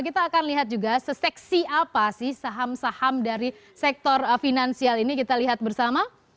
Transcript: kita akan lihat juga seseksi apa sih saham saham dari sektor finansial ini kita lihat bersama